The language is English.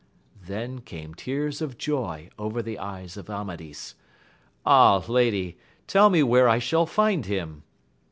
Then came tears of joy over the eyes of Amadis, — ^Ah, lady, tell me where I shall find him